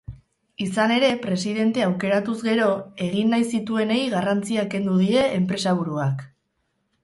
Izan ere, presidente aukeratuz gero egin nahi zituenei garrantzia kendu die enpresaburuak.